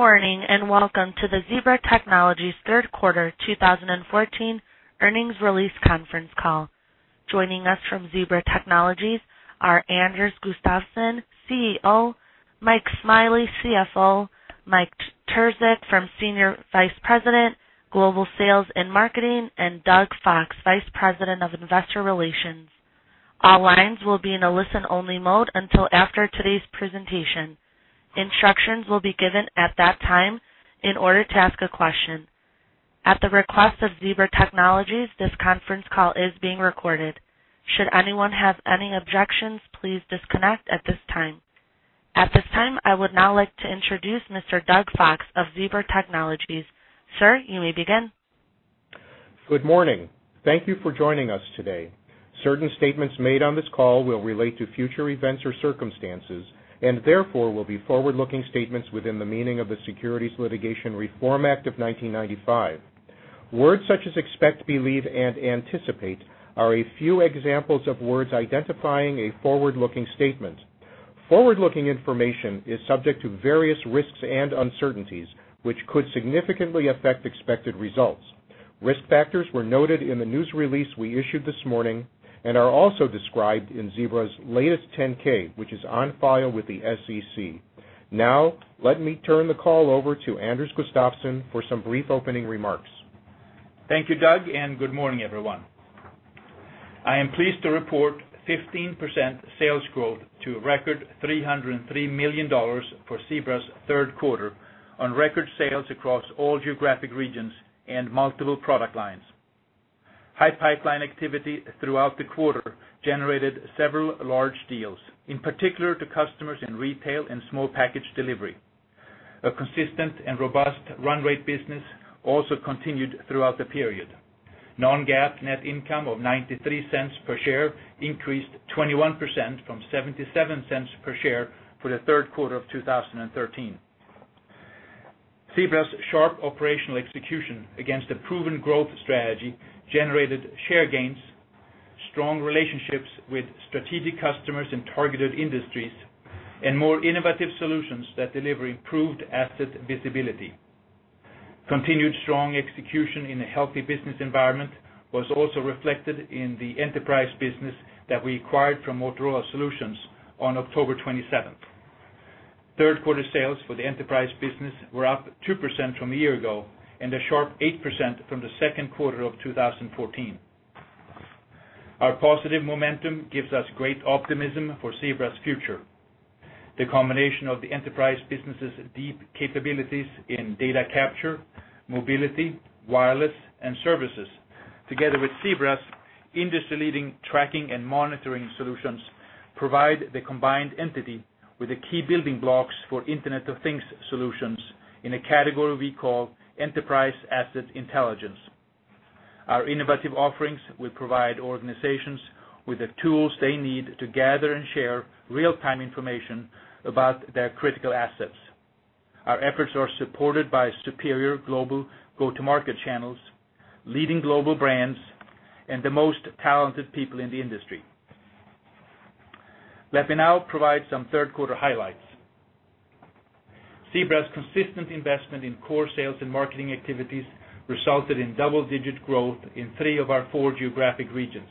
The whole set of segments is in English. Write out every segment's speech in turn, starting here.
Good morning and welcome to the Zebra Technologies third quarter 2014 earnings release conference call. Joining us from Zebra Technologies are Anders Gustafsson, CEO, Mike Smiley, CFO, Mike Terzich, Senior Vice President, Global Sales and Marketing, and Doug Fox, Vice President of Investor Relations. All lines will be in a listen-only mode until after today's presentation. Instructions will be given at that time in order to ask a question. At the request of Zebra Technologies, this conference call is being recorded. Should anyone have any objections, please disconnect at this time. At this time, I would now like to introduce Mr. Doug Fox of Zebra Technologies. Sir, you may begin. Good morning. Thank you for joining us today. Certain statements made on this call will relate to future events or circumstances and therefore will be forward-looking statements within the meaning of the Securities Litigation Reform Act of 1995. Words such as expect, believe, and anticipate are a few examples of words identifying a forward-looking statement. Forward-looking information is subject to various risks and uncertainties which could significantly affect expected results. Risk factors were noted in the news release we issued this morning and are also described in Zebra's latest 10-K, which is on file with the SEC. Now, let me turn the call over to Anders Gustafsson for some brief opening remarks. Thank you, Doug, and good morning, everyone. I am pleased to report 15% sales growth to a record $303 million for Zebra's third quarter on record sales across all geographic regions and multiple product lines. High pipeline activity throughout the quarter generated several large deals, in particular to customers in retail and small package delivery. A consistent and robust run-rate business also continued throughout the period. Non-GAAP net income of $0.93 per share increased 21% from $0.77 per share for the third quarter of 2013. Zebra's sharp operational execution against a proven growth strategy generated share gains, strong relationships with strategic customers in targeted industries, and more innovative solutions that deliver improved asset visibility. Continued strong execution in a healthy business environment was also reflected in the enterprise business that we acquired from Motorola Solutions on October 27th. Third quarter sales for the enterprise business were up 2% from a year ago and a sharp 8% from the second quarter of 2014. Our positive momentum gives us great optimism for Zebra's future. The combination of the enterprise business's deep capabilities in data capture, mobility, wireless, and services, together with Zebra's industry-leading tracking and monitoring solutions, provides the combined entity with the key building blocks for Internet of Things solutions in a category we call Enterprise Asset Intelligence. Our innovative offerings will provide organizations with the tools they need to gather and share real-time information about their critical assets. Our efforts are supported by superior global go-to-market channels, leading global brands, and the most talented people in the industry. Let me now provide some third quarter highlights. Zebra's consistent investment in core sales and marketing activities resulted in double-digit growth in three of our four geographic regions.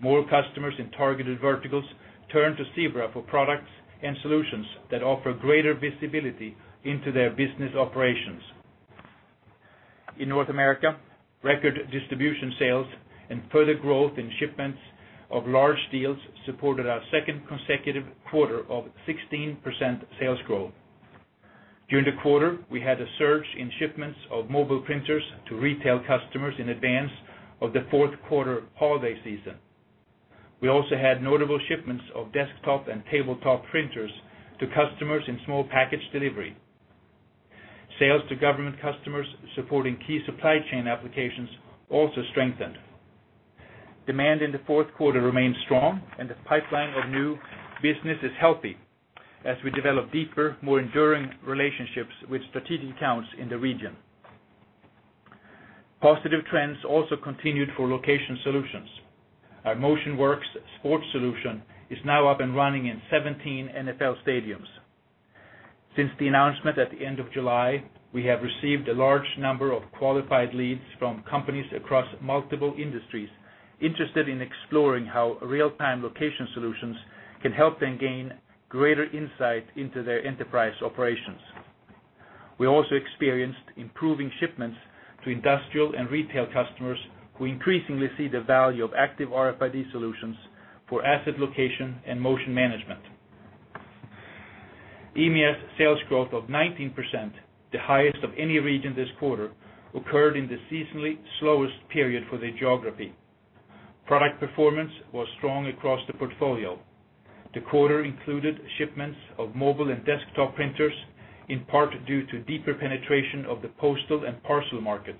More customers in targeted verticals turned to Zebra for products and solutions that offer greater visibility into their business operations. In North America, record distribution sales and further growth in shipments of large deals supported our second consecutive quarter of 16% sales growth. During the quarter, we had a surge in shipments of mobile printers to retail customers in advance of the fourth quarter holiday season. We also had notable shipments of desktop and tabletop printers to customers in small package delivery. Sales to government customers supporting key supply chain applications also strengthened. Demand in the fourth quarter remained strong, and the pipeline of new business is healthy as we develop deeper, more enduring relationships with strategic accounts in the region. Positive trends also continued for location solutions. Our MotionWorks Sports solution is now up and running in 17 NFL stadiums. Since the announcement at the end of July, we have received a large number of qualified leads from companies across multiple industries interested in exploring how real-time location solutions can help them gain greater insight into their enterprise operations. We also experienced improving shipments to industrial and retail customers who increasingly see the value of active RFID solutions for asset location and motion management. EMEA's sales growth of 19%, the highest of any region this quarter, occurred in the seasonally slowest period for the geography. Product performance was strong across the portfolio. The quarter included shipments of mobile and desktop printers, in part due to deeper penetration of the postal and parcel market.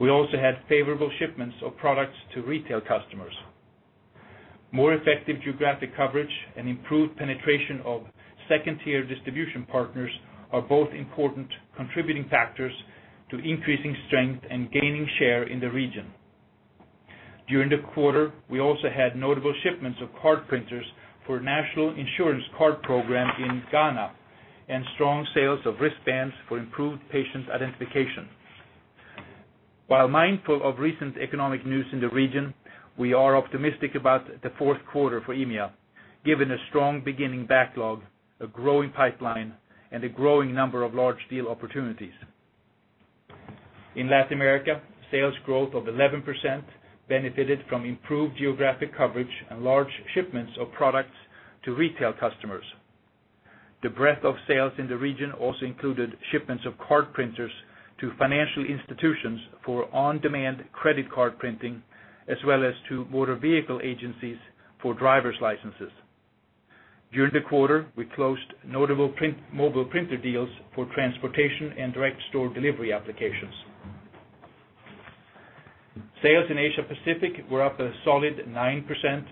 We also had favorable shipments of products to retail customers. More effective geographic coverage and improved penetration of second-tier distribution partners are both important contributing factors to increasing strength and gaining share in the region. During the quarter, we also had notable shipments of card printers for a national insurance card program in Ghana and strong sales of wristbands for improved patient identification. While mindful of recent economic news in the region, we are optimistic about the fourth quarter for EMEA, given a strong beginning backlog, a growing pipeline, and a growing number of large deal opportunities. In Latin America, sales growth of 11% benefited from improved geographic coverage and large shipments of products to retail customers. The breadth of sales in the region also included shipments of card printers to financial institutions for on-demand credit card printing, as well as to motor vehicle agencies for driver's licenses. During the quarter, we closed notable mobile printer deals for transportation and direct store delivery applications. Sales in Asia-Pacific were up a solid 9%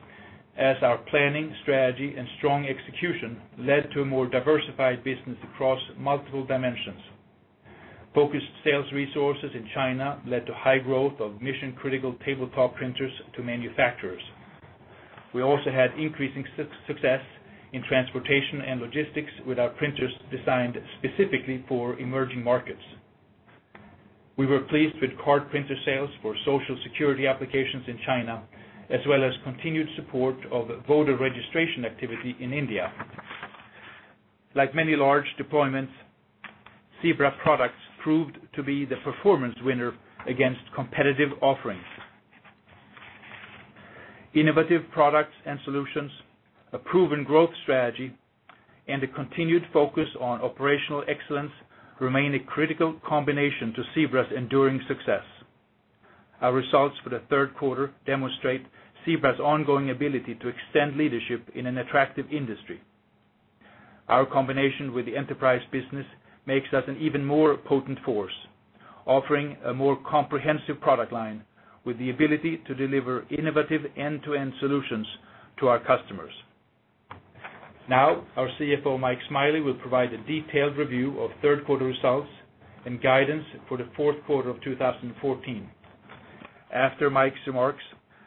as our planning, strategy, and strong execution led to a more diversified business across multiple dimensions. Focused sales resources in China led to high growth of mission-critical tabletop printers to manufacturers. We also had increasing success in transportation and logistics with our printers designed specifically for emerging markets. We were pleased with card printer sales for social security applications in China, as well as continued support of voter registration activity in India. Like many large deployments, Zebra products proved to be the performance winner against competitive offerings. Innovative products and solutions, a proven growth strategy, and a continued focus on operational excellence remain a critical combination to Zebra's enduring success. Our results for the third quarter demonstrate Zebra's ongoing ability to extend leadership in an attractive industry. Our combination with the enterprise business makes us an even more potent force, offering a more comprehensive product line with the ability to deliver innovative end-to-end solutions to our customers. Now, our CFO, Mike Smiley, will provide a detailed review of third quarter results and guidance for the fourth quarter of 2014. After Mike's remarks,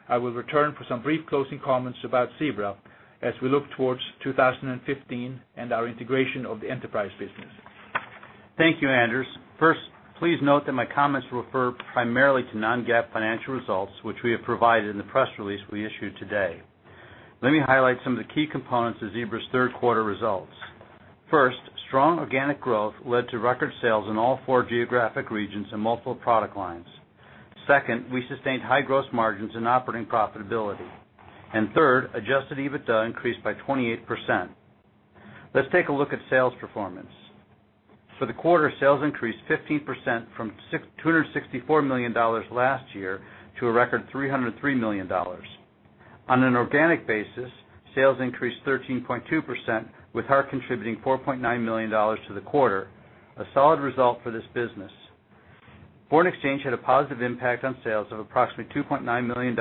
I will return for some brief closing comments about Zebra as we look towards 2015 and our integration of the enterprise business. Thank you, Anders. First, please note that my comments refer primarily to non-GAAP financial results, which we have provided in the press release we issued today. Let me highlight some of the key components of Zebra's third quarter results. First, strong organic growth led to record sales in all four geographic regions and multiple product lines. Second, we sustained high gross margins and operating profitability. And third, adjusted EBITDA increased by 28%. Let's take a look at sales performance. For the quarter, sales increased 15% from $264 million last year to a record $303 million. On an organic basis, sales increased 13.2%, with Hart contributing $4.9 million to the quarter, a solid result for this business. Foreign exchange had a positive impact on sales of approximately $2.9 million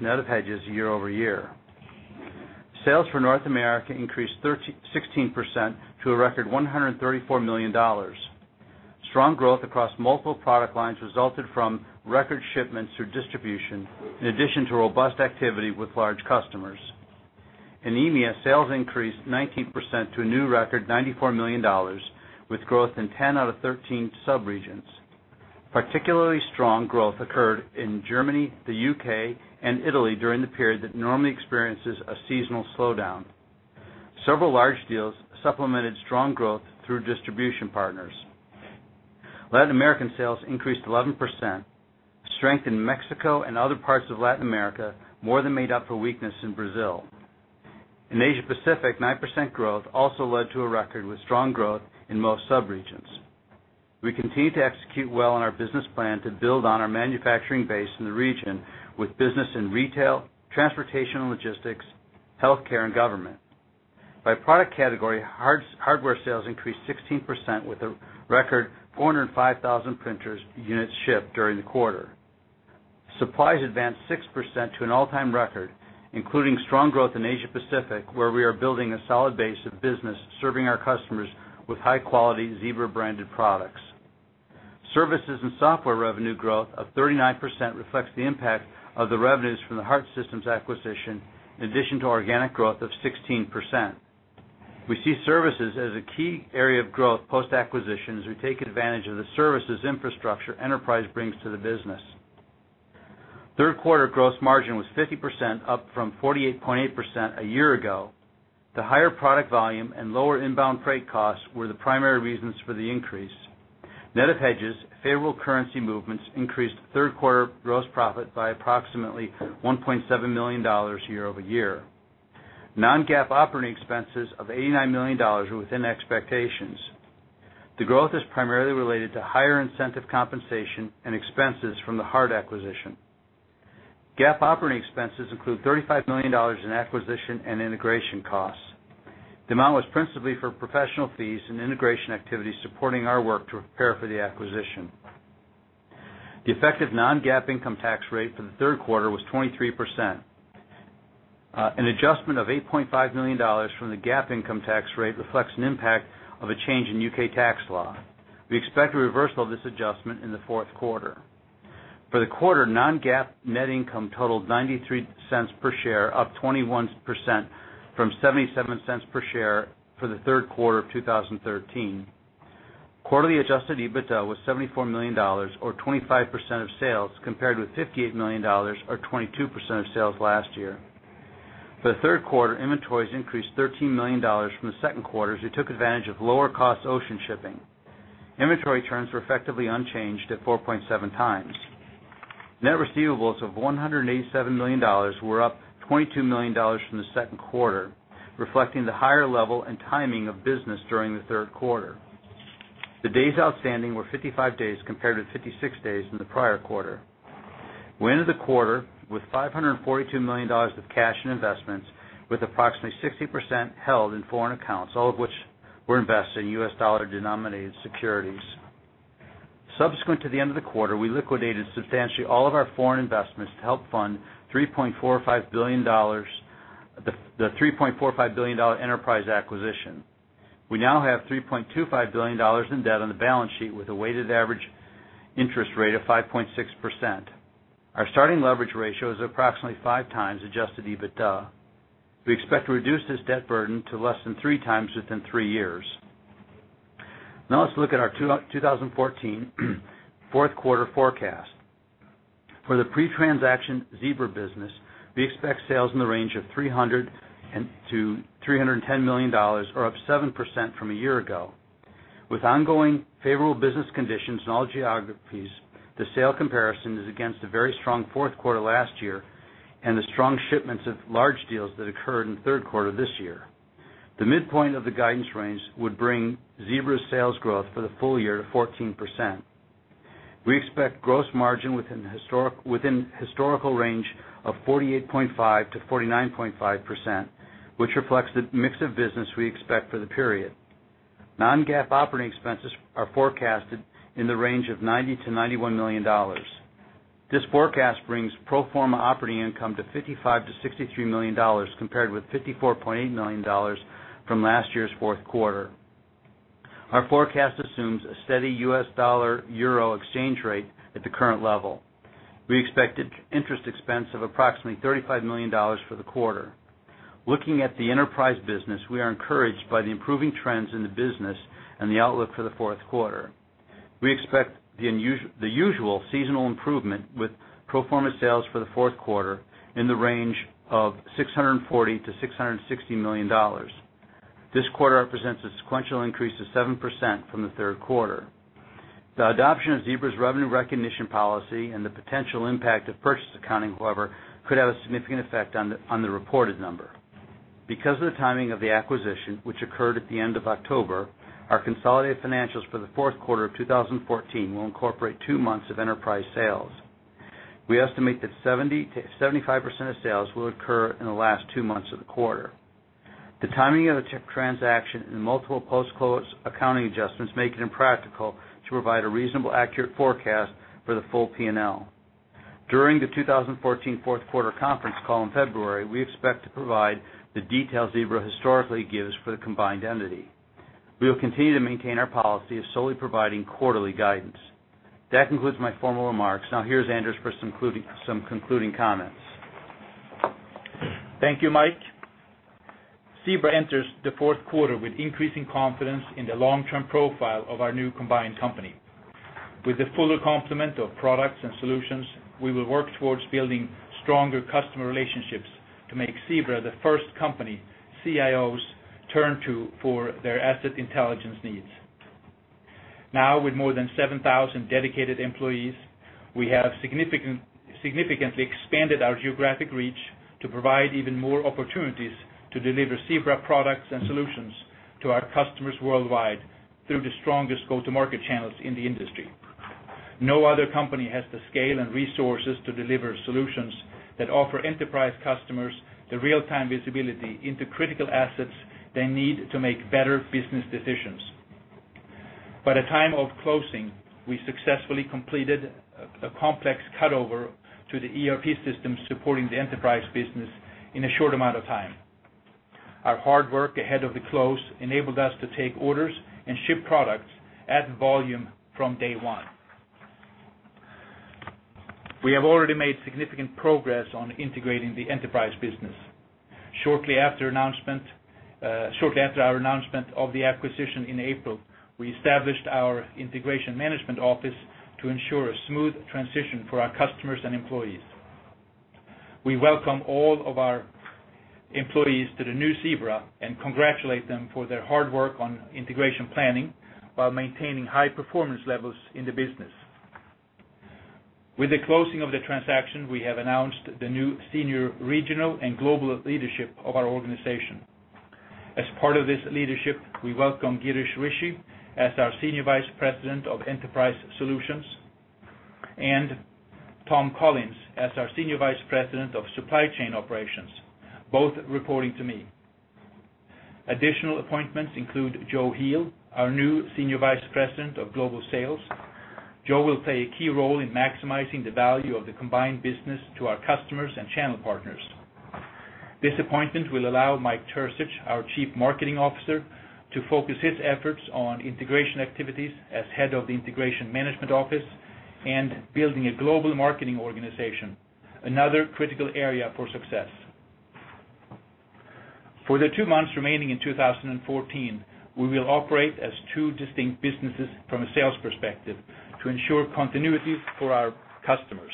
net of hedges year over year. Sales for North America increased 16% to a record $134 million. Strong growth across multiple product lines resulted from record shipments through distribution, in addition to robust activity with large customers. In EMEA, sales increased 19% to a new record $94 million, with growth in 10 out of 13 subregions. Particularly strong growth occurred in Germany, the U.K., and Italy during the period that normally experiences a seasonal slowdown. Several large deals supplemented strong growth through distribution partners. Latin American sales increased 11%. Strength in Mexico and other parts of Latin America more than made up for weakness in Brazil. In Asia-Pacific, 9% growth also led to a record with strong growth in most subregions. We continue to execute well on our business plan to build on our manufacturing base in the region with business in retail, transportation and logistics, healthcare, and government. By product category, hardware sales increased 16% with a record 405,000 printer units shipped during the quarter. Supplies advanced 6% to an all-time record, including strong growth in Asia-Pacific, where we are building a solid base of business serving our customers with high-quality Zebra-branded products. Services and software revenue growth of 39% reflects the impact of the revenues from the Hart Systems' acquisition, in addition to organic growth of 16%. We see services as a key area of growth post-acquisition as we take advantage of the services infrastructure enterprise brings to the business. Third quarter gross margin was 50%, up from 48.8% a year ago. The higher product volume and lower inbound freight costs were the primary reasons for the increase. Net of hedges, favorable currency movements increased third quarter gross profit by approximately $1.7 million year-over-year. Non-GAAP operating expenses of $89 million were within expectations. The growth is primarily related to higher incentive compensation and expenses from the Hart acquisition. GAAP operating expenses include $35 million in acquisition and integration costs. The amount was principally for professional fees and integration activities supporting our work to prepare for the acquisition. The effective non-GAAP income tax rate for the third quarter was 23%. An adjustment of $8.5 million from the GAAP income tax rate reflects an impact of a change in U.K. tax law. We expect a reversal of this adjustment in the fourth quarter. For the quarter, non-GAAP net income totaled $0.93 per share, up 21% from $0.77 per share for the third quarter of 2013. Quarterly adjusted EBITDA was $74 million, or 25% of sales, compared with $58 million, or 22% of sales last year. For the third quarter, inventories increased $13 million from the second quarter as we took advantage of lower-cost ocean shipping. Inventory turns were effectively unchanged at 4.7 times. Net receivables of $187 million were up $22 million from the second quarter, reflecting the higher level and timing of business during the third quarter. The days outstanding were 55 days compared with 56 days in the prior quarter. We ended the quarter with $542 million of cash and investments, with approximately 60% held in foreign accounts, all of which were invested in U.S. dollar-denominated securities. Subsequent to the end of the quarter, we liquidated substantially all of our foreign investments to help fund $3.45 billion, the $3.45 billion enterprise acquisition. We now have $3.25 billion in debt on the balance sheet with a weighted average interest rate of 5.6%. Our starting leverage ratio is approximately five times adjusted EBITDA. We expect to reduce this debt burden to less than three times within three years. Now let's look at our 2014 fourth quarter forecast. For the pre-transaction Zebra business, we expect sales in the range of $300 million-$310 million, or up 7% from a year ago. With ongoing favorable business conditions in all geographies, the sale comparison is against a very strong fourth quarter last year and the strong shipments of large deals that occurred in the third quarter this year. The midpoint of the guidance range would bring Zebra's sales growth for the full year to 14%. We expect gross margin within historical range of 48.5%-49.5%, which reflects the mix of business we expect for the period. Non-GAAP operating expenses are forecasted in the range of $90 million-$91 million. This forecast brings pro forma operating income to $55 million-$63 million compared with $54.8 million from last year's fourth quarter. Our forecast assumes a steady U.S. dollar/euro exchange rate at the current level. We expect interest expense of approximately $35 million for the quarter. Looking at the enterprise business, we are encouraged by the improving trends in the business and the outlook for the fourth quarter. We expect the usual seasonal improvement with pro forma sales for the fourth quarter in the range of $640 million-$660 million. This quarter represents a sequential increase of 7% from the third quarter. The adoption of Zebra's revenue recognition policy and the potential impact of purchase accounting, however, could have a significant effect on the reported number. Because of the timing of the acquisition, which occurred at the end of October, our consolidated financials for the fourth quarter of 2014 will incorporate two months of enterprise sales. We estimate that 70%-75% of sales will occur in the last two months of the quarter. The timing of the transaction and multiple post-close accounting adjustments make it impractical to provide a reasonable accurate forecast for the full P&L. During the 2014 fourth quarter conference call in February, we expect to provide the details Zebra historically gives for the combined entity. We will continue to maintain our policy of solely providing quarterly guidance. That concludes my formal remarks. Now, here's Anders for some concluding comments. Thank you, Mike. Zebra enters the fourth quarter with increasing confidence in the long-term profile of our new combined company. With the fuller complement of products and solutions, we will work towards building stronger customer relationships to make Zebra the first company CIOs turn to for their asset intelligence needs. Now, with more than 7,000 dedicated employees, we have significantly expanded our geographic reach to provide even more opportunities to deliver Zebra products and solutions to our customers worldwide through the strongest go-to-market channels in the industry. No other company has the scale and resources to deliver solutions that offer enterprise customers the real-time visibility into critical assets they need to make better business decisions. By the time of closing, we successfully completed a complex cutover to the ERP system supporting the enterprise business in a short amount of time. Our hard work ahead of the close enabled us to take orders and ship products at volume from day one. We have already made significant progress on integrating the enterprise business. Shortly after our announcement of the acquisition in April, we established our integration management office to ensure a smooth transition for our customers and employees. We welcome all of our employees to the new Zebra and congratulate them for their hard work on integration planning while maintaining high performance levels in the business. With the closing of the transaction, we have announced the new senior regional and global leadership of our organization. As part of this leadership, we welcome Girish Rishi as our Senior Vice President of Enterprise Solutions and Tom Collins as our Senior Vice President of Supply Chain Operations, both reporting to me. Additional appointments include Joe Heel, our new Senior Vice President of Global Sales. Joe will play a key role in maximizing the value of the combined business to our customers and channel partners. This appointment will allow Mike Terzich, our Chief Marketing Officer, to focus his efforts on integration activities as head of the integration management office and building a global marketing organization, another critical area for success. For the two months remaining in 2014, we will operate as two distinct businesses from a sales perspective to ensure continuity for our customers.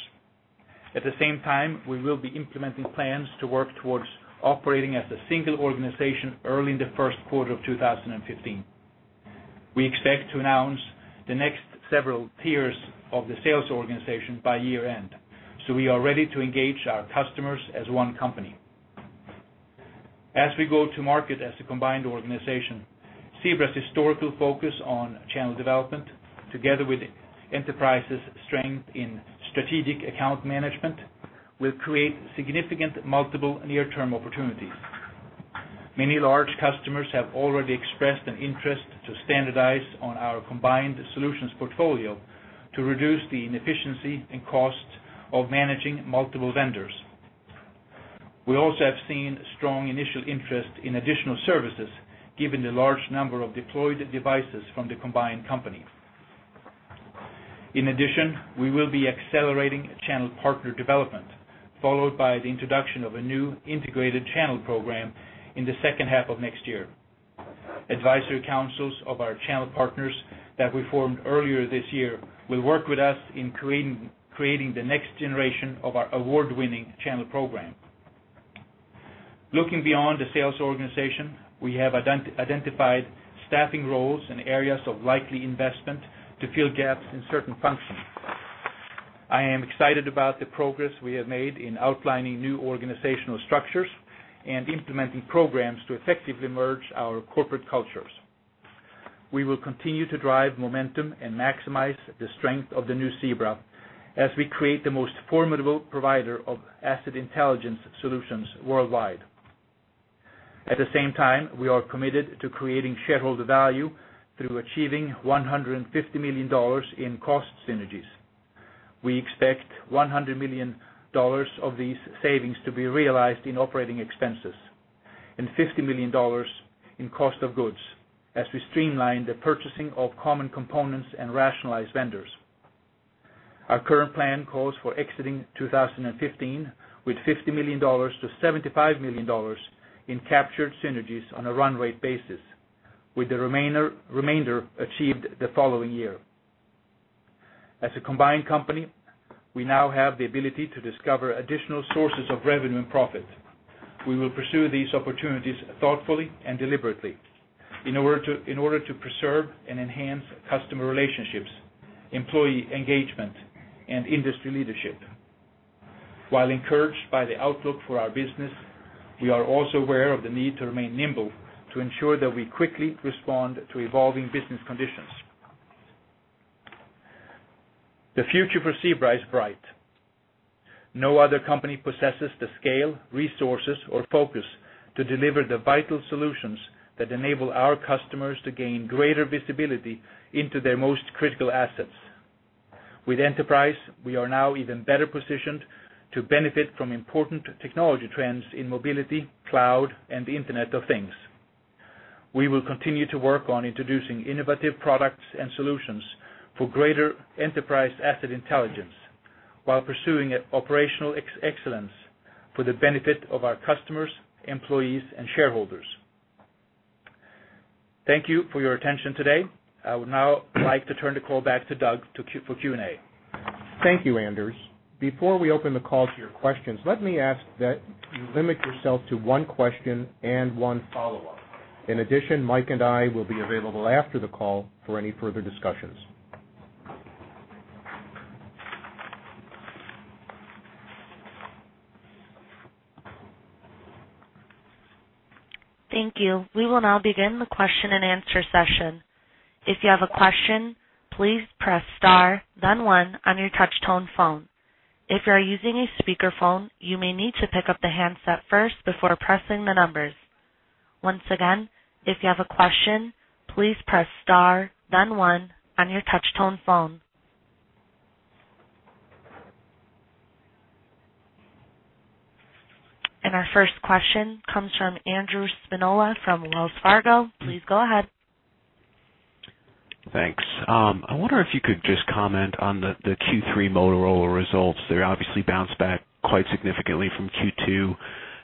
At the same time, we will be implementing plans to work towards operating as a single organization early in the first quarter of 2015. We expect to announce the next several tiers of the sales organization by year-end, so we are ready to engage our customers as one company. As we go to market as a combined organization, Zebra's historical focus on channel development, together with enterprise's strength in strategic account management, will create significant multiple near-term opportunities. Many large customers have already expressed an interest to standardize on our combined solutions portfolio to reduce the inefficiency and costs of managing multiple vendors. We also have seen strong initial interest in additional services, given the large number of deployed devices from the combined company. In addition, we will be accelerating channel partner development, followed by the introduction of a new integrated channel program in the second half of next year. Advisory councils of our channel partners that we formed earlier this year will work with us in creating the next generation of our award-winning channel program. Looking beyond the sales organization, we have identified staffing roles and areas of likely investment to fill gaps in certain functions. I am excited about the progress we have made in outlining new organizational structures and implementing programs to effectively merge our corporate cultures. We will continue to drive momentum and maximize the strength of the new Zebra as we create the most formidable provider of asset intelligence solutions worldwide. At the same time, we are committed to creating shareholder value through achieving $150 million in cost synergies. We expect $100 million of these savings to be realized in operating expenses and $50 million in cost of goods as we streamline the purchasing of common components and rationalize vendors. Our current plan calls for exiting 2015 with $50 million-$75 million in captured synergies on a run-rate basis, with the remainder achieved the following year. As a combined company, we now have the ability to discover additional sources of revenue and profit. We will pursue these opportunities thoughtfully and deliberately in order to preserve and enhance customer relationships, employee engagement, and industry leadership. While encouraged by the outlook for our business, we are also aware of the need to remain nimble to ensure that we quickly respond to evolving business conditions. The future for Zebra is bright. No other company possesses the scale, resources, or focus to deliver the vital solutions that enable our customers to gain greater visibility into their most critical assets. With Enterprise, we are now even better positioned to benefit from important technology trends in mobility, cloud, and the Internet of Things. We will continue to work on introducing innovative products and solutions for greater Enterprise Asset Intelligence while pursuing operational excellence for the benefit of our customers, employees, and shareholders. Thank you for your attention today. I would now like to turn the call back to Doug for Q&A. Thank you, Anders. Before we open the call to your questions, let me ask that you limit yourself to one question and one follow-up. In addition, Mike and I will be available after the call for any further discussions. Thank you. We will now begin the question-and-answer session. If you have a question, please press star, then one, on your touch-tone phone. If you are using a speakerphone, you may need to pick up the handset first before pressing the numbers. Once again, if you have a question, please press star, then one, on your touch-tone phone. And our first question comes from Andrew Spinola from Wells Fargo. Please go ahead. Thanks. I wonder if you could just comment on the Q3 Motorola results. They obviously bounced back quite significantly from Q2.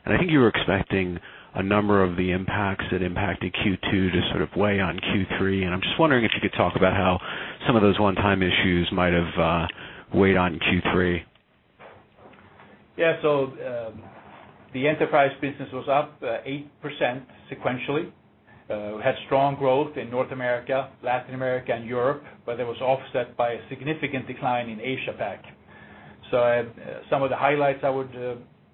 I think you were expecting a number of the impacts that impacted Q2 to sort of weigh on Q3. I'm just wondering if you could talk about how some of those one-time issues might have weighed on Q3. Yeah. So the enterprise business was up 8% sequentially. We had strong growth in North America, Latin America, and Europe, but it was offset by a significant decline in Asia-Pacific. So some of the highlights I would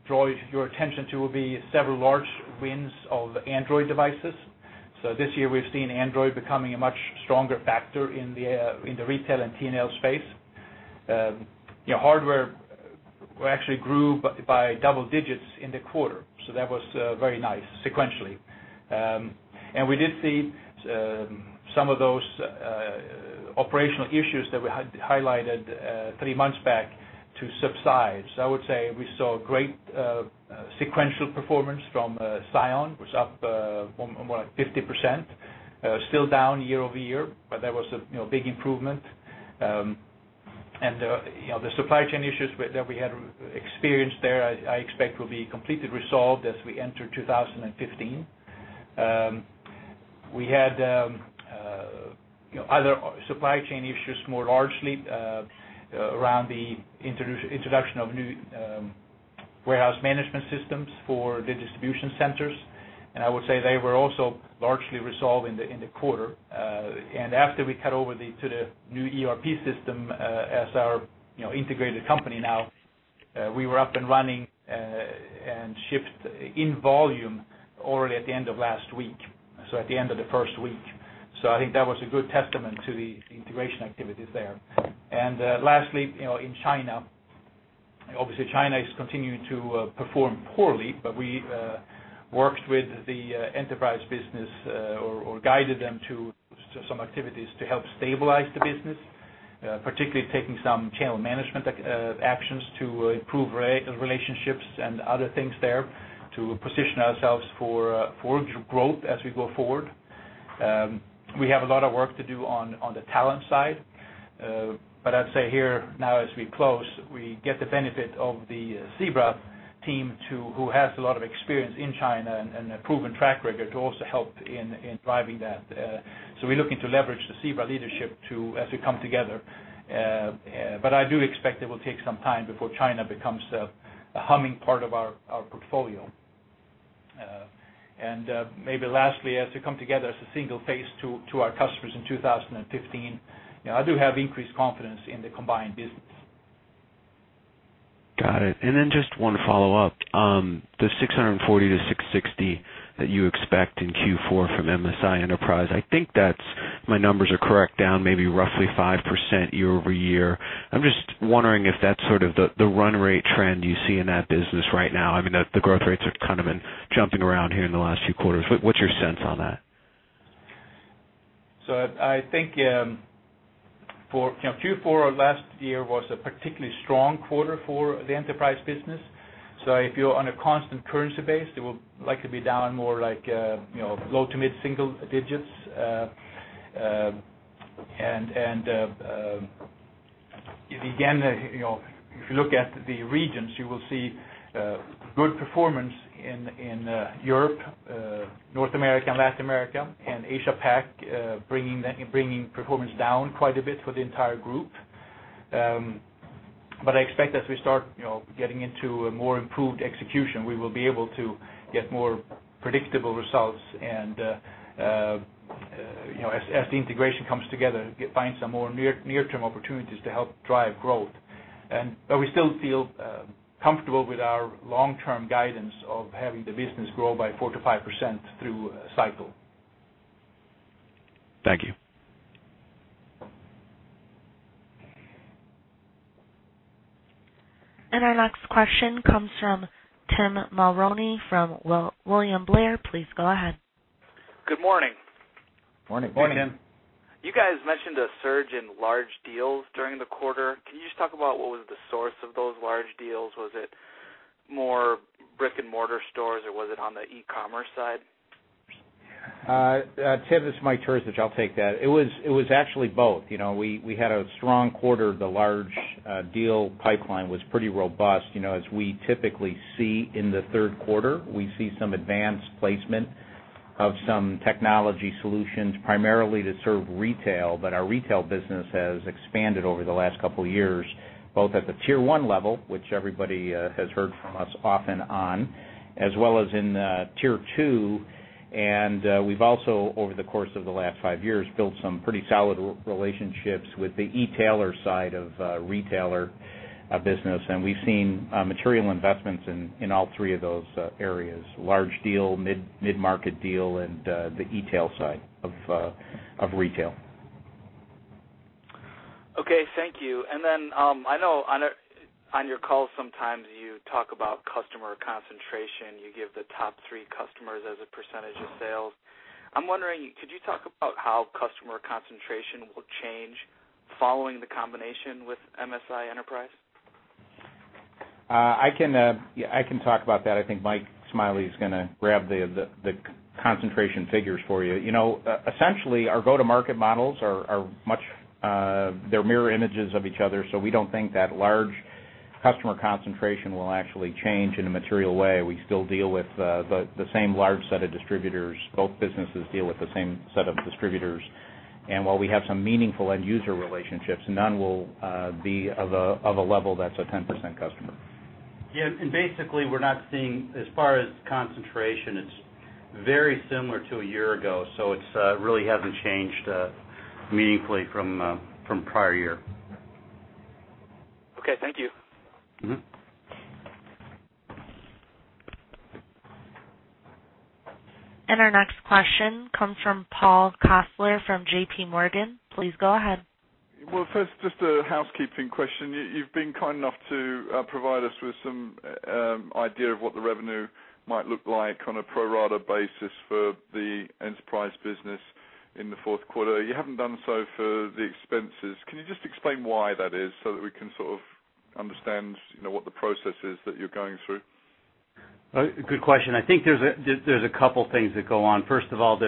draw your attention to would be several large wins of Android devices. So this year, we've seen Android becoming a much stronger factor in the retail and T&L space. Hardware actually grew by double digits in the quarter. So that was very nice sequentially. And we did see some of those operational issues that we highlighted three months back to subside. So I would say we saw great sequential performance from Psion, which was up more like 50%, still down year-over-year, but that was a big improvement. And the supply chain issues that we had experienced there, I expect, will be completely resolved as we enter 2015. We had other supply chain issues more largely around the introduction of new warehouse management systems for the distribution centers. And I would say they were also largely resolved in the quarter. And after we cut over to the new ERP system as our integrated company now, we were up and running and shipped in volume already at the end of last week, so at the end of the first week. So I think that was a good testament to the integration activities there. And lastly, in China, obviously, China is continuing to perform poorly, but we worked with the enterprise business or guided them to some activities to help stabilize the business, particularly taking some channel management actions to improve relationships and other things there to position ourselves for growth as we go forward. We have a lot of work to do on the talent side. But I'd say here now, as we close, we get the benefit of the Zebra team, who has a lot of experience in China and a proven track record to also help in driving that. So we're looking to leverage the Zebra leadership as we come together. But I do expect it will take some time before China becomes a humming part of our portfolio. Maybe lastly, as we come together as a single face to our customers in 2015, I do have increased confidence in the combined business. Got it. And then just one follow-up. The $640-$660 that you expect in Q4 from MSI Enterprise, I think my numbers are correct, down maybe roughly 5% year-over-year. I'm just wondering if that's sort of the run-rate trend you see in that business right now. I mean, the growth rates are kind of been jumping around here in the last few quarters. What's your sense on that? So I think Q4 last year was a particularly strong quarter for the enterprise business. So if you're on a constant currency base, it will likely be down more like low- to mid-single digits. And again, if you look at the regions, you will see good performance in Europe, North America, and Latin America, and Asia-Pacific bringing performance down quite a bit for the entire group. But I expect as we start getting into more improved execution, we will be able to get more predictable results as the integration comes together, find some more near-term opportunities to help drive growth. But we still feel comfortable with our long-term guidance of having the business grow by 4%-5% through cycle. Thank you. Our next question comes from Tim Mulrooney from William Blair. Please go ahead. Good morning. Good morning, Tim. Morning. You guys mentioned a surge in large deals during the quarter. Can you just talk about what was the source of those large deals? Was it more brick-and-mortar stores, or was it on the e-commerce side? This is Mike Terzich. I'll take that. It was actually both. We had a strong quarter. The large deal pipeline was pretty robust. As we typically see in the third quarter, we see some advanced placement of some technology solutions, primarily to serve retail. But our retail business has expanded over the last couple of years, both at the tier one level, which everybody has heard from us off and on, as well as in tier two. And we've also, over the course of the last five years, built some pretty solid relationships with the e-tailer side of retailer business. And we've seen material investments in all three of those areas: large deal, mid-market deal, and the e-tail side of retail. Okay. Thank you. And then I know on your call, sometimes you talk about customer concentration. You give the top three customers as a percentage of sales. I'm wondering, could you talk about how customer concentration will change following the combination with MSI Enterprise? I can talk about that. I think Mike Smiley is going to grab the concentration figures for you. Essentially, our go-to-market models are much, they're mirror images of each other. So we don't think that large customer concentration will actually change in a material way. We still deal with the same large set of distributors. Both businesses deal with the same set of distributors. And while we have some meaningful end-user relationships, none will be of a level that's a 10% customer. Yeah. And basically, we're not seeing, as far as concentration, it's very similar to a year ago. So it really hasn't changed meaningfully from prior year. Okay. Thank you. Our next question comes from Paul Coster from JPMorgan. Please go ahead. Well, first, just a housekeeping question. You've been kind enough to provide us with some idea of what the revenue might look like on a pro-rata basis for the enterprise business in the fourth quarter. You haven't done so for the expenses. Can you just explain why that is so that we can sort of understand what the process is that you're going through? Good question. I think there's a couple of things that go on. First of all,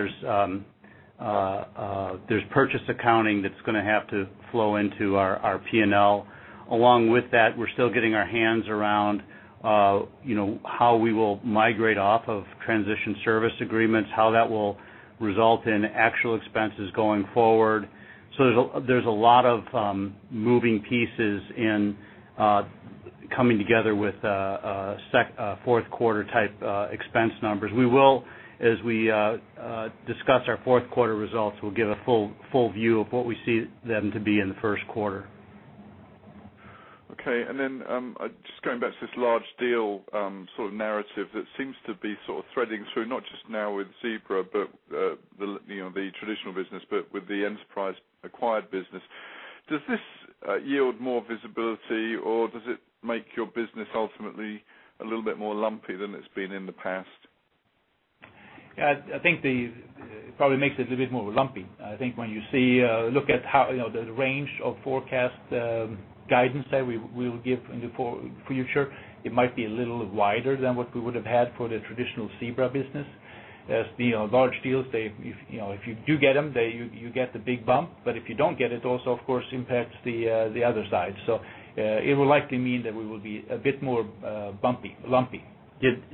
there's purchase accounting that's going to have to flow into our P&L. Along with that, we're still getting our hands around how we will migrate off of transition service agreements, how that will result in actual expenses going forward. So there's a lot of moving pieces in coming together with fourth-quarter type expense numbers. We will, as we discuss our fourth-quarter results, we'll give a full view of what we see them to be in the first quarter. Okay. And then just going back to this large deal sort of narrative that seems to be sort of threading through not just now with Zebra, but the traditional business, but with the enterprise-acquired business, does this yield more visibility, or does it make your business ultimately a little bit more lumpy than it's been in the past? Yeah. I think it probably makes it a little bit more lumpy. I think when you look at the range of forecast guidance that we will give in the future, it might be a little wider than what we would have had for the traditional Zebra business. As the large deals, if you do get them, you get the big bump. But if you don't get it, it also, of course, impacts the other side. So it will likely mean that we will be a bit more lumpy.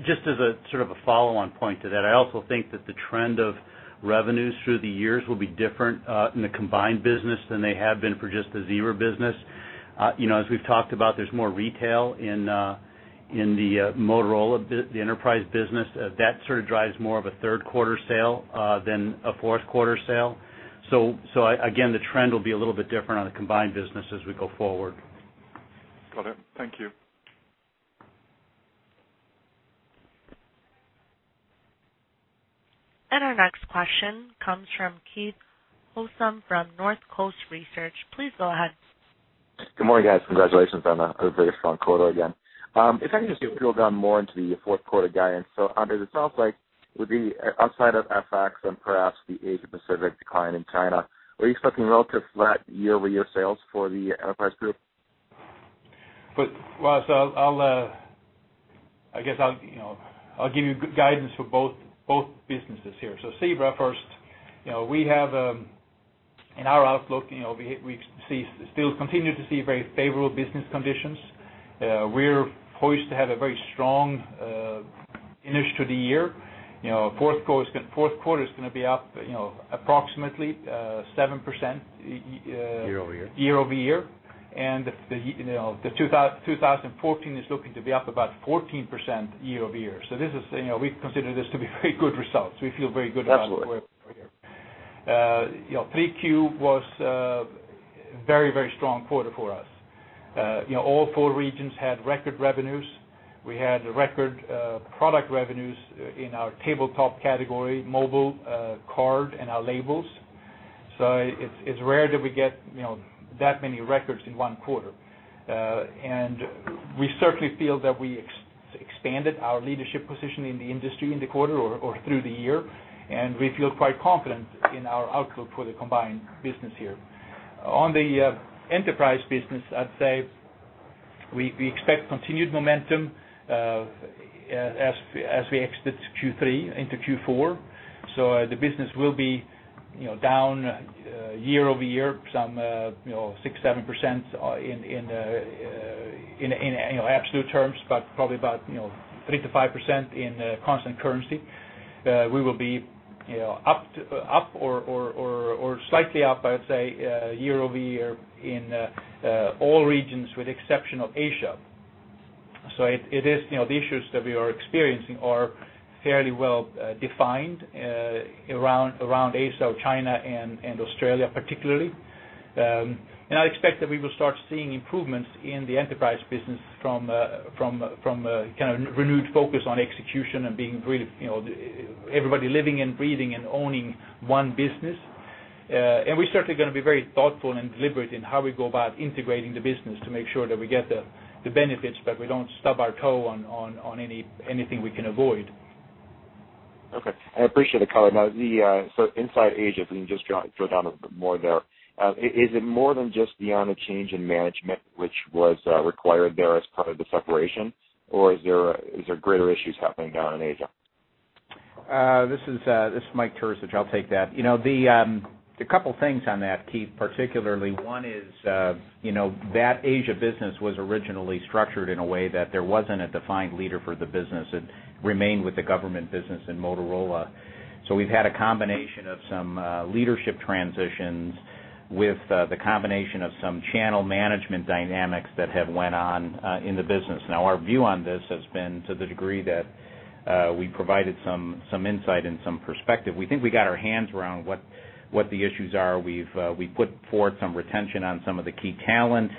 Just as a sort of a follow-on point to that, I also think that the trend of revenues through the years will be different in the combined business than they have been for just the Zebra business. As we've talked about, there's more retail in the Motorola, the enterprise business. That sort of drives more of a third-quarter sale than a fourth-quarter sale. So again, the trend will be a little bit different on the combined business as we go forward. Got it. Thank you. Our next question comes from Keith Housum from Northcoast Research. Please go ahead. Good morning, guys. Congratulations on a very strong quarter again. If I can just drill down more into the fourth-quarter guidance. So under the soft light, with the upside of FX and perhaps the Asia-Pacific decline in China, are you expecting relative flat year-over-year sales for the enterprise group? Well, so I guess I'll give you good guidance for both businesses here. So Zebra first, we have in our outlook, we still continue to see very favorable business conditions. We're poised to have a very strong finish to the year. Fourth quarter is going to be up approximately 7%. Year-over-year. Year-over-year. The 2014 is looking to be up about 14% year-over-year. So we consider this to be very good results. We feel very good about where we are here. Q3 was a very, very strong quarter for us. All four regions had record revenues. We had record product revenues in our tabletop category, mobile, card, and our labels. So it's rare that we get that many records in one quarter. And we certainly feel that we expanded our leadership position in the industry in the quarter or through the year. And we feel quite confident in our outlook for the combined business here. On the enterprise business, I'd say we expect continued momentum as we exit Q3 into Q4. So the business will be down year-over-year, some 6%-7% in absolute terms, but probably about 3%-5% in constant currency. We will be up or slightly up, I'd say, year-over-year in all regions with the exception of Asia. So the issues that we are experiencing are fairly well defined around Asia, China and Australia particularly. And I expect that we will start seeing improvements in the enterprise business from a kind of renewed focus on execution and being really everybody living and breathing and owning one business. And we're certainly going to be very thoughtful and deliberate in how we go about integrating the business to make sure that we get the benefits, but we don't stub our toe on anything we can avoid. Okay. I appreciate the comment. Now, inside Asia, if we can just drill down a bit more there, is it more than just beyond a change in management, which was required there as part of the separation, or are there greater issues happening down in Asia? This is Mike Terzich. I'll take that. The couple of things on that, Keith, particularly, one is that Asia business was originally structured in a way that there wasn't a defined leader for the business. It remained with the government business in Motorola. So we've had a combination of some leadership transitions with the combination of some channel management dynamics that have went on in the business. Now, our view on this has been to the degree that we provided some insight and some perspective. We think we got our hands around what the issues are. We've put forth some retention on some of the key talent.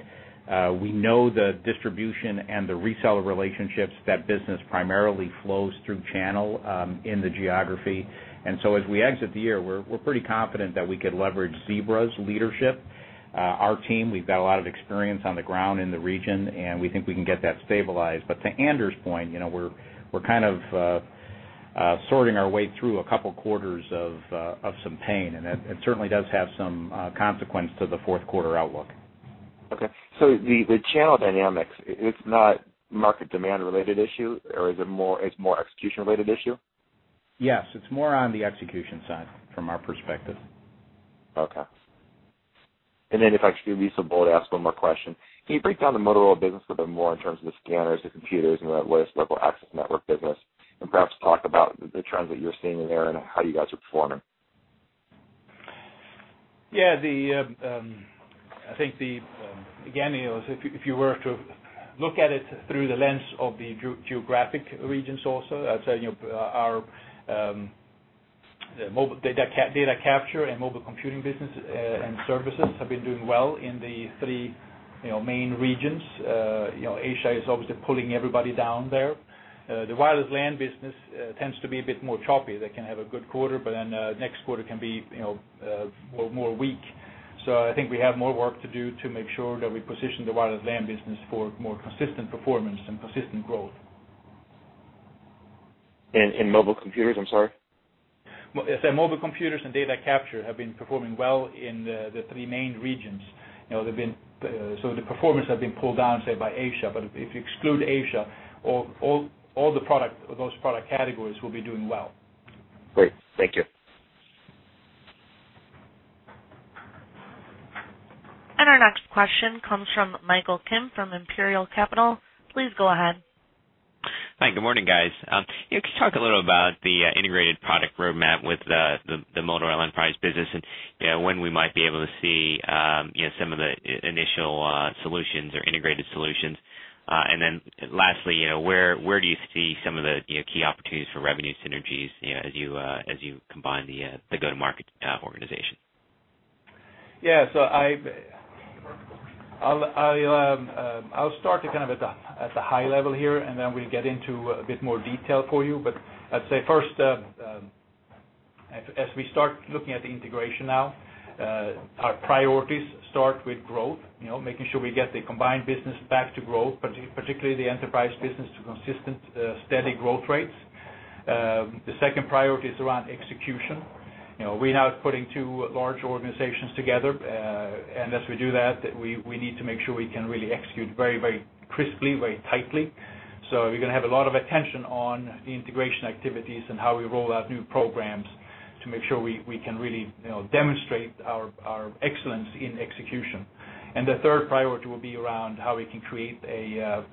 We know the distribution and the reseller relationships. That business primarily flows through channel in the geography. And so as we exit the year, we're pretty confident that we could leverage Zebra's leadership. Our team, we've got a lot of experience on the ground in the region, and we think we can get that stabilized. But to Anders' point, we're kind of sorting our way through a couple of quarters of some pain. And it certainly does have some consequence to the fourth-quarter outlook. Okay. So the channel dynamics, it's not market demand-related issue, or it's more execution-related issue? Yes. It's more on the execution side from our perspective. Okay. And then if I could but I'd ask one more question. Can you break down the Motorola business a bit more in terms of the scanners, the computers, and what is the local area network business? And perhaps talk about the trends that you're seeing in there and how you guys are performing. Yeah. I think, again, if you were to look at it through the lens of the geographic regions also, I'd say our data capture and mobile computing business and services have been doing well in the three main regions. Asia is obviously pulling everybody down there. The wireless LAN business tends to be a bit more choppy. They can have a good quarter, but then next quarter can be more weak. So I think we have more work to do to make sure that we position the wireless LAN business for more consistent performance and persistent growth. Mobile computers, I'm sorry? I said mobile computers and data capture have been performing well in the three main regions. The performance has been pulled down, say, by Asia. If you exclude Asia, all those product categories will be doing well. Great. Thank you. Our next question comes from Michael Kim from Imperial Capital. Please go ahead. Hi. Good morning, guys. Can you talk a little about the integrated product roadmap with the Motorola enterprise business and when we might be able to see some of the initial solutions or integrated solutions? And then lastly, where do you see some of the key opportunities for revenue synergies as you combine the go-to-market organization? Yeah. So I'll start kind of at the high level here, and then we'll get into a bit more detail for you. But I'd say first, as we start looking at the integration now, our priorities start with growth, making sure we get the combined business back to growth, particularly the enterprise business, to consistent, steady growth rates. The second priority is around execution. We now are putting two large organizations together. And as we do that, we need to make sure we can really execute very, very crisply, very tightly. So we're going to have a lot of attention on the integration activities and how we roll out new programs to make sure we can really demonstrate our excellence in execution. And the third priority will be around how we can create a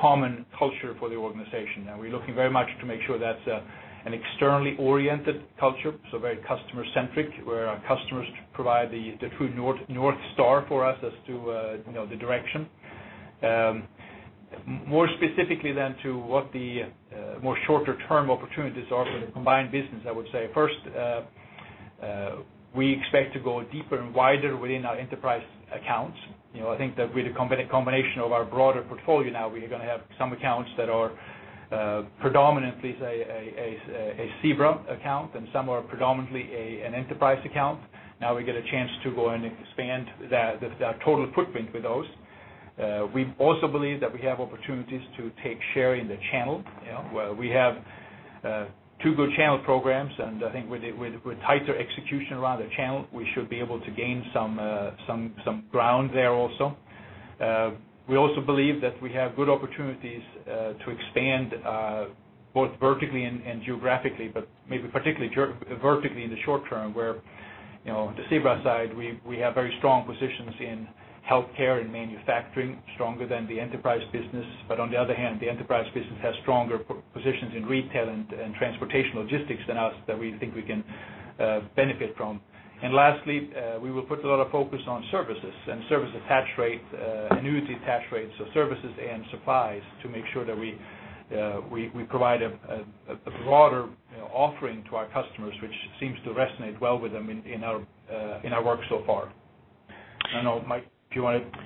common culture for the organization. And we're looking very much to make sure that's an externally oriented culture, so very customer-centric, where our customers provide the true North Star for us as to the direction. More specifically than to what the more shorter-term opportunities are for the combined business, I would say. First, we expect to go deeper and wider within our enterprise accounts. I think that with the combination of our broader portfolio now, we are going to have some accounts that are predominantly, say, a Zebra account, and some are predominantly an enterprise account. Now we get a chance to go and expand our total footprint with those. We also believe that we have opportunities to take share in the channel. We have two good channel programs. And I think with tighter execution around the channel, we should be able to gain some ground there also. We also believe that we have good opportunities to expand both vertically and geographically, but maybe particularly vertically in the short term, where on the Zebra side, we have very strong positions in healthcare and manufacturing, stronger than the enterprise business. But on the other hand, the enterprise business has stronger positions in retail and transportation logistics than us that we think we can benefit from. And lastly, we will put a lot of focus on services and service attach rate, annuity attach rates, so services and supplies to make sure that we provide a broader offering to our customers, which seems to resonate well with them in our work so far. I don't know, Mike, if you want to.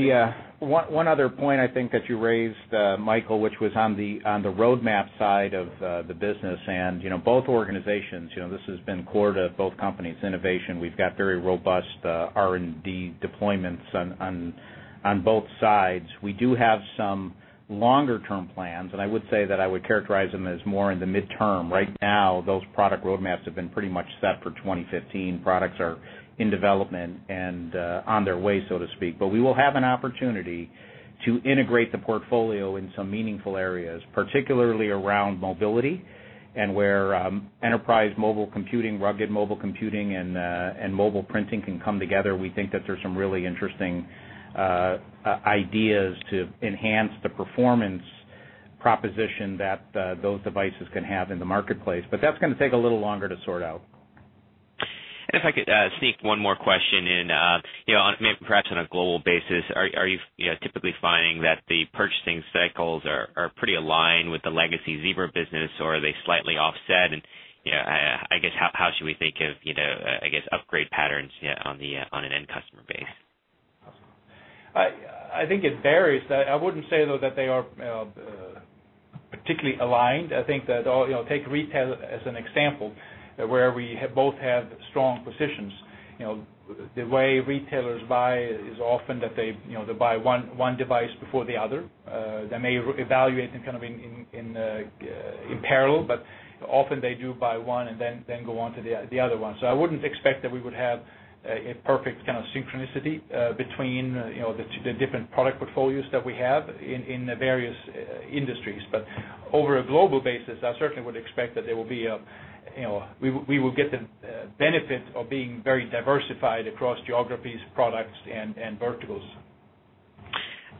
Yeah. One other point I think that you raised, Michael, which was on the roadmap side of the business. And both organizations, this has been core to both companies' innovation. We've got very robust R&D deployments on both sides. We do have some longer-term plans, and I would say that I would characterize them as more in the midterm. Right now, those product roadmaps have been pretty much set for 2015. Products are in development and on their way, so to speak. But we will have an opportunity to integrate the portfolio in some meaningful areas, particularly around mobility and where enterprise mobile computing, rugged mobile computing, and mobile printing can come together. We think that there's some really interesting ideas to enhance the performance proposition that those devices can have in the marketplace. But that's going to take a little longer to sort out. If I could sneak one more question in, maybe perhaps on a global basis, are you typically finding that the purchasing cycles are pretty aligned with the legacy Zebra business, or are they slightly offset? I guess, how should we think of, I guess, upgrade patterns on an end customer base? I think it varies. I wouldn't say, though, that they are particularly aligned. I think, take retail as an example, where we both have strong positions. The way retailers buy is often that they buy one device before the other. They may evaluate them kind of in parallel, but often they do buy one and then go on to the other one. So I wouldn't expect that we would have a perfect kind of synchronicity between the different product portfolios that we have in the various industries. But over a global basis, I certainly would expect that there will be a, we will get the benefit of being very diversified across geographies, products, and verticals.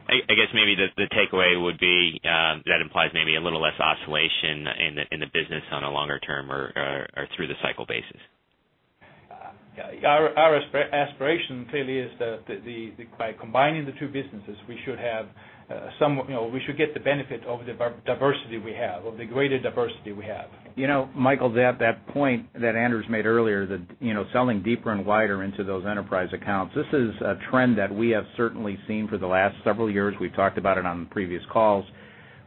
I guess maybe the takeaway would be that implies maybe a little less oscillation in the business on a longer term or through the cycle basis. Our aspiration clearly is that by combining the two businesses, we should get the benefit of the diversity we have, of the greater diversity we have. Michael, at that point that Anders made earlier, that selling deeper and wider into those enterprise accounts, this is a trend that we have certainly seen for the last several years. We've talked about it on previous calls,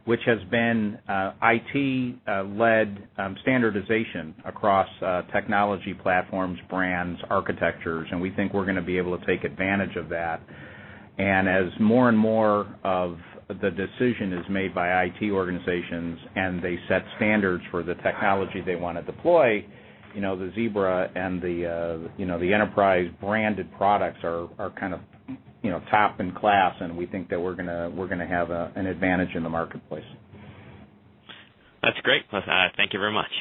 which has been IT-led standardization across technology platforms, brands, architectures. We think we're going to be able to take advantage of that. As more and more of the decision is made by IT organizations and they set standards for the technology they want to deploy, the Zebra and the enterprise-branded products are kind of top in class. We think that we're going to have an advantage in the marketplace. That's great. Thank you very much.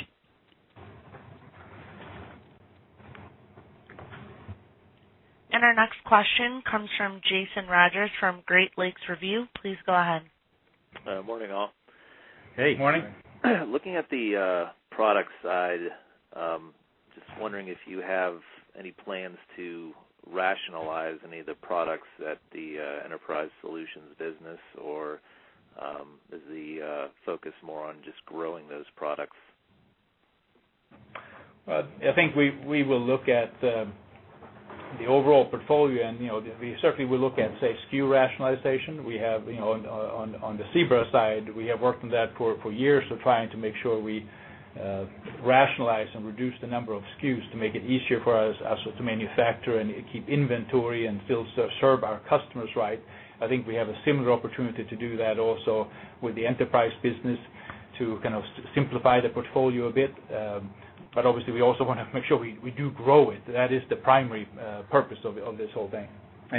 Our next question comes from Jason Rodgers from Great Lakes Review. Please go ahead. Morning, all. Hey. Morning. Looking at the product side, just wondering if you have any plans to rationalize any of the products that the enterprise solutions business, or is the focus more on just growing those products? I think we will look at the overall portfolio. We certainly will look at, say, SKU rationalization. On the Zebra side, we have worked on that for years, so trying to make sure we rationalize and reduce the number of SKUs to make it easier for us to manufacture and keep inventory and still serve our customers right. I think we have a similar opportunity to do that also with the enterprise business to kind of simplify the portfolio a bit. But obviously, we also want to make sure we do grow it. That is the primary purpose of this whole thing.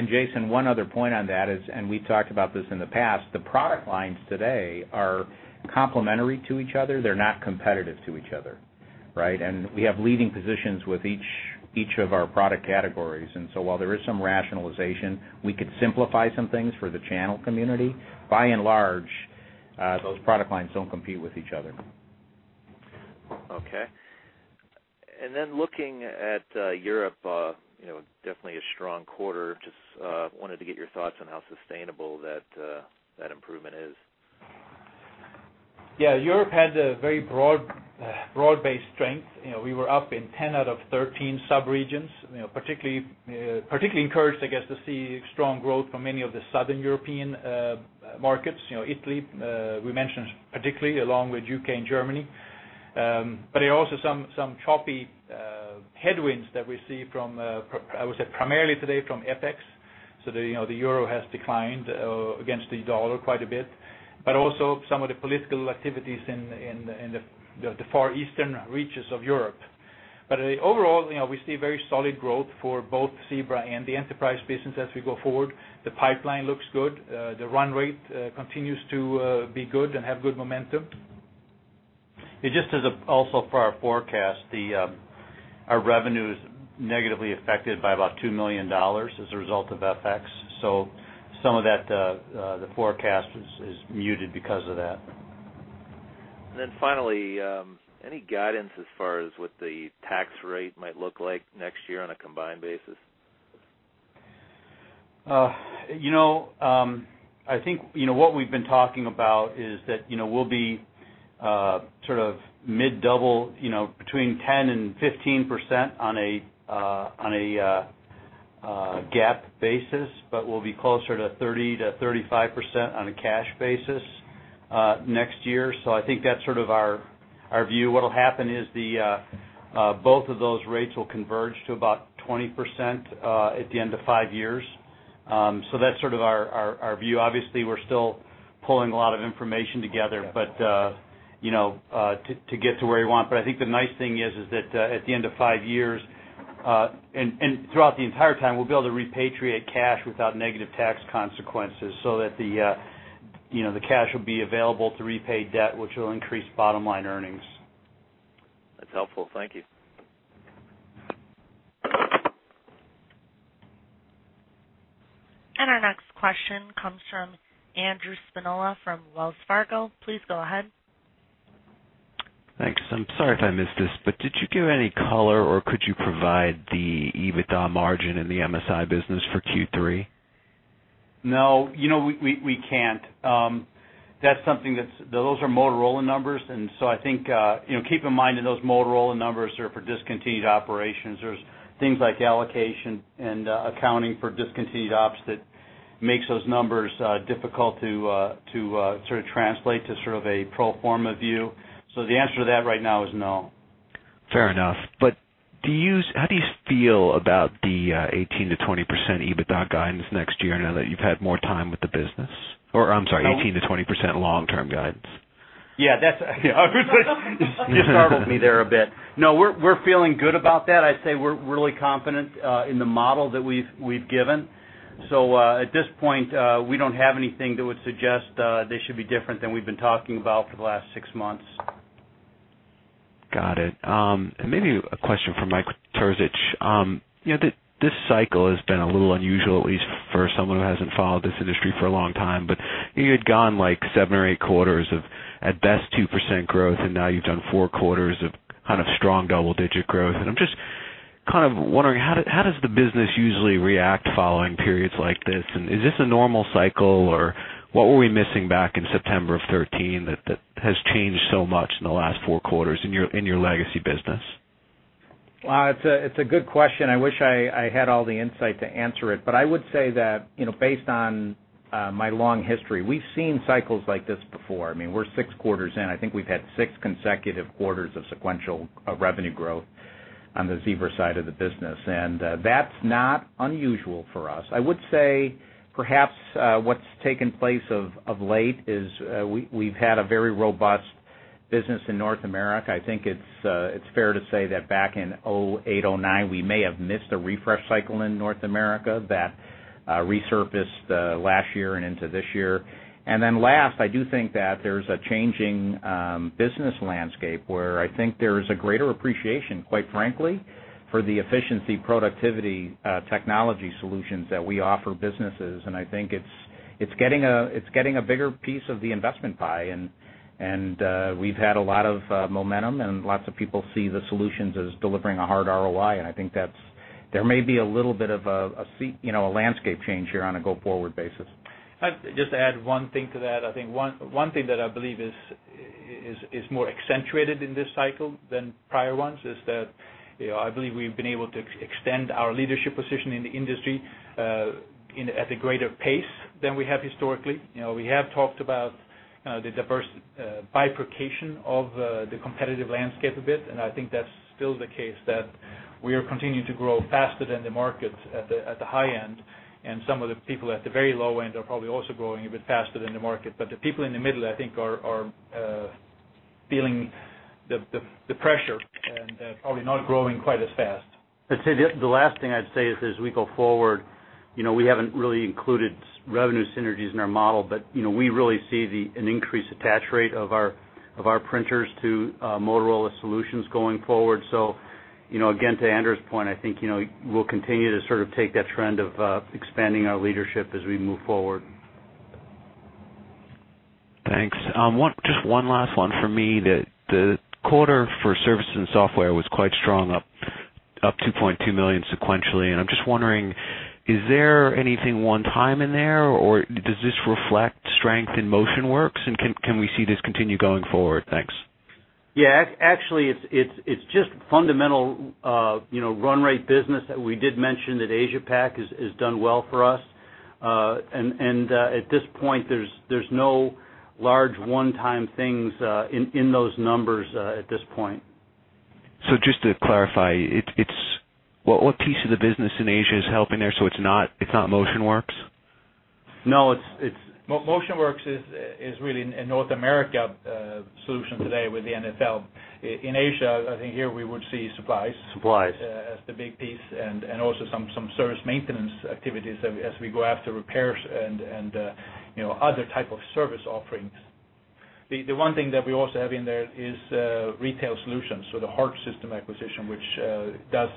Jason, one other point on that is, and we talked about this in the past, the product lines today are complementary to each other. They're not competitive to each other, right? We have leading positions with each of our product categories. So while there is some rationalization, we could simplify some things for the channel community. By and large, those product lines don't compete with each other. Okay. And then looking at Europe, definitely a strong quarter. Just wanted to get your thoughts on how sustainable that improvement is? Yeah. Europe had a very broad-based strength. We were up in 10 out of 13 subregions, particularly encouraged, I guess, to see strong growth from many of the southern European markets, Italy, we mentioned particularly, along with U.K. and Germany. But there are also some choppy headwinds that we see from, I would say, primarily today from FX. So the euro has declined against the dollar quite a bit, but also some of the political activities in the far eastern reaches of Europe. But overall, we see very solid growth for both Zebra and the enterprise business as we go forward. The pipeline looks good. The run rate continues to be good and have good momentum. It just is also for our forecast, our revenue is negatively affected by about $2 million as a result of FX. So some of that, the forecast is muted because of that. Finally, any guidance as far as what the tax rate might look like next year on a combined basis? I think what we've been talking about is that we'll be sort of mid-double between 10%-15% on a GAAP basis, but we'll be closer to 30%-35% on a cash basis next year. So I think that's sort of our view. What'll happen is both of those rates will converge to about 20% at the end of five years. So that's sort of our view. Obviously, we're still pulling a lot of information together to get to where we want. But I think the nice thing is that at the end of five years and throughout the entire time, we'll be able to repatriate cash without negative tax consequences so that the cash will be available to repay debt, which will increase bottom-line earnings. That's helpful. Thank you. Our next question comes from Andrew Spinola from Wells Fargo. Please go ahead. Thanks. I'm sorry if I missed this, but did you give any color or could you provide the EBITDA margin in the MSI business for Q3? No. We can't. That's something that's those are Motorola numbers. And so I think, keep in mind that those Motorola numbers are for discontinued operations. There's things like allocation and accounting for discontinued ops that makes those numbers difficult to sort of translate to sort of a pro forma view. So the answer to that right now is no. Fair enough. But how do you feel about the 18%-20% EBITDA guidance next year now that you've had more time with the business? Or I'm sorry, 18%-20% long-term guidance. Yeah. You startled me there a bit. No, we're feeling good about that. I'd say we're really confident in the model that we've given. So at this point, we don't have anything that would suggest they should be different than we've been talking about for the last six months. Got it. And maybe a question for Mike Terzich. This cycle has been a little unusual, at least for someone who hasn't followed this industry for a long time. But you had gone like 7 or 8 quarters of at best 2% growth, and now you've done 4 quarters of kind of strong double-digit growth. And I'm just kind of wondering, how does the business usually react following periods like this? And is this a normal cycle, or what were we missing back in September of 2013 that has changed so much in the last 4 quarters in your legacy business? Well, it's a good question. I wish I had all the insight to answer it. But I would say that based on my long history, we've seen cycles like this before. I mean, we're six quarters in. I think we've had six consecutive quarters of sequential revenue growth on the Zebra side of the business. And that's not unusual for us. I would say perhaps what's taken place of late is we've had a very robust business in North America. I think it's fair to say that back in 2008, 2009, we may have missed a refresh cycle in North America that resurfaced last year and into this year. And then last, I do think that there's a changing business landscape where I think there is a greater appreciation, quite frankly, for the efficiency, productivity, technology solutions that we offer businesses. I think it's getting a bigger piece of the investment pie. We've had a lot of momentum, and lots of people see the solutions as delivering a hard ROI. I think there may be a little bit of a landscape change here on a go-forward basis. Just to add one thing to that, I think one thing that I believe is more accentuated in this cycle than prior ones is that I believe we've been able to extend our leadership position in the industry at a greater pace than we have historically. We have talked about the diverse bifurcation of the competitive landscape a bit. And I think that's still the case, that we are continuing to grow faster than the market at the high end. And some of the people at the very low end are probably also growing a bit faster than the market. But the people in the middle, I think, are feeling the pressure and probably not growing quite as fast. I'd say the last thing I'd say is, as we go forward, we haven't really included revenue synergies in our model, but we really see an increased attach rate of our printers to Motorola Solutions going forward. So again, to Anders' point, I think we'll continue to sort of take that trend of expanding our leadership as we move forward. Thanks. Just one last one for me. The quarter for services and software was quite strong, up $2.2 million sequentially. And I'm just wondering, is there anything one-time in there, or does this reflect strength in MotionWorks? And can we see this continue going forward? Thanks. Yeah. Actually, it's just fundamental run rate business. We did mention that Asia-Pacific has done well for us. At this point, there's no large one-time things in those numbers at this point. Just to clarify, what piece of the business in Asia is helping there? It's not MotionWorks? No. MotionWorks is really a North America solution today with the NFL. In Asia, I think here we would see supplies. Supplies. As the big piece and also some service maintenance activities as we go after repairs and other type of service offerings. The one thing that we also have in there is retail solutions, so the Hart Systems acquisition, which does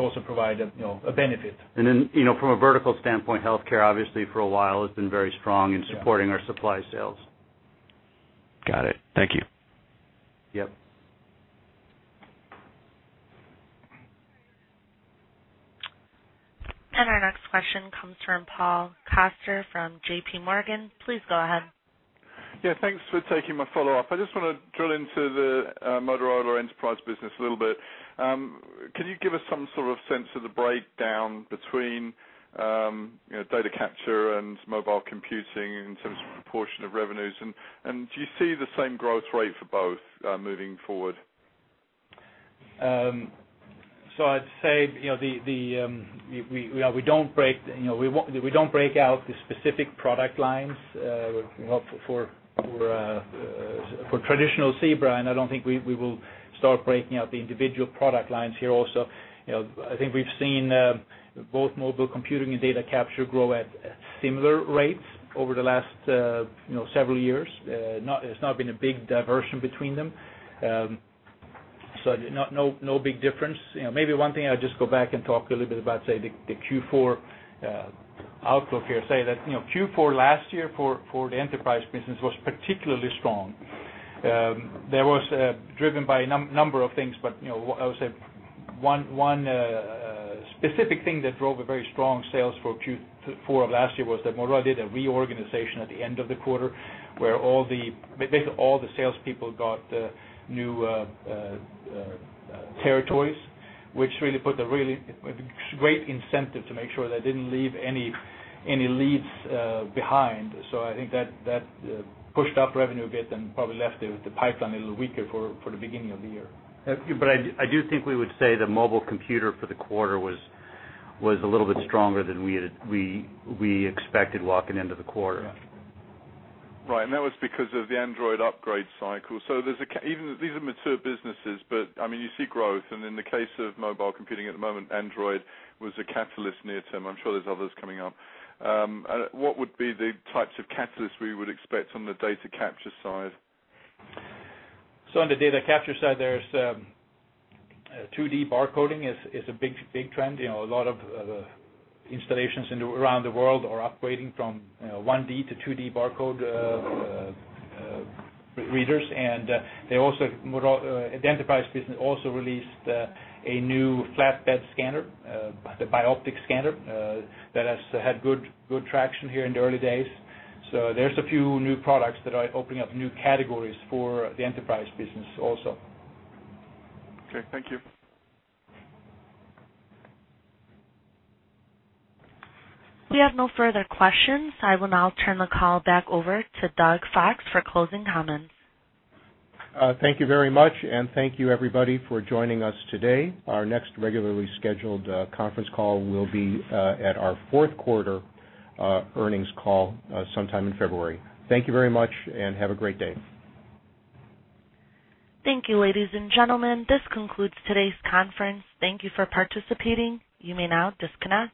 also provide a benefit. From a vertical standpoint, healthcare, obviously, for a while has been very strong in supporting our supply sales. Got it. Thank you. Yep. Our next question comes from Paul Coster from JPMorgan. Please go ahead. Yeah. Thanks for taking my follow-up. I just want to drill into the Motorola enterprise business a little bit. Can you give us some sort of sense of the breakdown between data capture and mobile computing in terms of proportion of revenues? And do you see the same growth rate for both moving forward? I'd say we don't break out the specific product lines for traditional Zebra. I don't think we will start breaking out the individual product lines here also. I think we've seen both mobile computing and data capture grow at similar rates over the last several years. It's not been a big diversion between them. No big difference. Maybe one thing I'll just go back and talk a little bit about, say, the Q4 outlook here. Say that Q4 last year for the enterprise business was particularly strong. There was driven by a number of things, but I would say one specific thing that drove a very strong sales for Q4 of last year was that Motorola did a reorganization at the end of the quarter where basically all the salespeople got new territories, which really put a really great incentive to make sure they didn't leave any leads behind. So I think that pushed up revenue a bit and probably left the pipeline a little weaker for the beginning of the year. I do think we would say the mobile computer for the quarter was a little bit stronger than we expected walking into the quarter. Right. And that was because of the Android upgrade cycle. So these are mature businesses, but I mean, you see growth. And in the case of mobile computing at the moment, Android was a catalyst near term. I'm sure there's others coming up. What would be the types of catalysts we would expect on the data capture side? On the data capture side, there's 2D barcoding is a big trend. A lot of installations around the world are upgrading from 1D to 2D barcode readers. The enterprise business also released a new flatbed scanner, the bioptic scanner, that has had good traction here in the early days. There's a few new products that are opening up new categories for the enterprise business also. Okay. Thank you. We have no further questions. I will now turn the call back over to Doug Fox for closing comments. Thank you very much. Thank you, everybody, for joining us today. Our next regularly scheduled conference call will be at our fourth quarter earnings call sometime in February. Thank you very much, and have a great day. Thank you, ladies and gentlemen. This concludes today's conference. Thank you for participating. You may now disconnect.